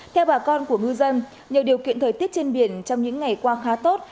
theo bà con của ngư dân nhờ điều kiện thời tiết trên biển trong những ngày qua khá tốt